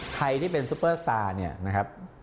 ใครที่เป็นซุปเปอร์สตาร์เนี่ยนะครับ